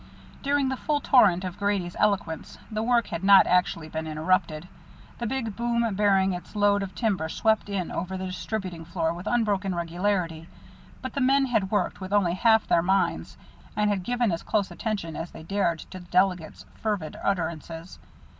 During the full torrent of Grady's eloquence the work had not actually been interrupted. The big boom bearing its load of timber swept in over the distributing floor with unbroken regularity; but the men had worked with only half their minds and had given as close attention as they dared to the delegate's fervid utterances.